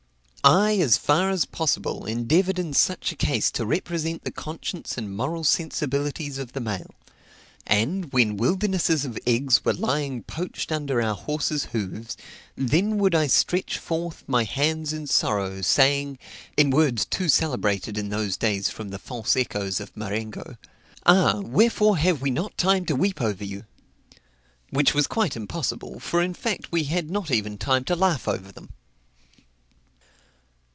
I, as far as possible, endeavored in such a case to represent the conscience and moral sensibilities of the mail; and, when wildernesses of eggs were lying poached under our horses' hoofs, then would I stretch forth my hands in sorrow, saying (in words too celebrated in those days from the false echoes of Marengo) "Ah! wherefore have we not time to weep over you?" which was quite impossible, for in fact we had not even time to laugh over them.